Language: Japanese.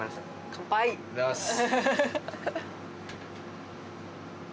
乾杯ありがとうございます